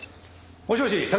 もしもし拓